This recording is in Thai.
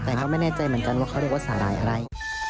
แต่ก็ไม่แน่ใจเหมือนกันว่าเขาเรียกว่าสาหร่ายอะไร